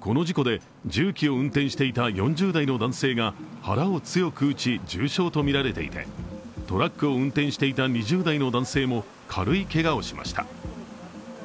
この事故で、重機を運転していた４０代の男性が腹を強く打ち重傷とみられていてトラックを運転していた２０代の男性も軽いけがをしました。